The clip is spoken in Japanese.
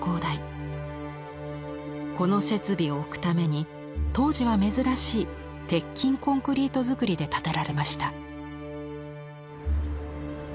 この設備を置くために当時は珍しい鉄筋コンクリート造りで建てられました。